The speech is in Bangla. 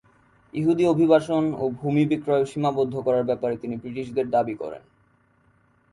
ইহুদি অভিবাসন ও ভূমি বিক্রয় সীমাবদ্ধ করার ব্যাপারে তিনি ব্রিটিশদের দাবি করেন।